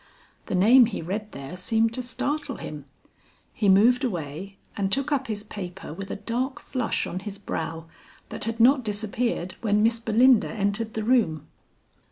The name he read there seemed to startle him; he moved away, and took up his paper with a dark flush on his brow, that had not disappeared when Miss Belinda entered the room.